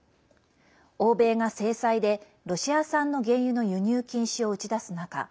欧米が制裁で、ロシア産の原油の輸入禁止を打ち出す中